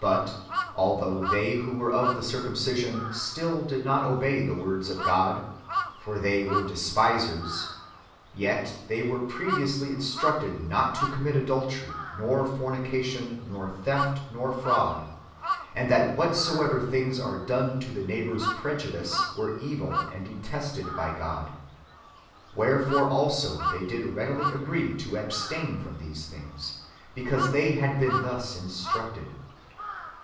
But although they who were of the circumcision still did not obey the words of God, for they were despisers, yet they were previously instructed not to commit adultery, nor fornication, nor theft, nor fraud ; and that whatsoever things are done to our neighbpurs' prejudice, were evil, and detested by God. Wherefore also they did readily agree to abstain from these things, because they had been thus in structed.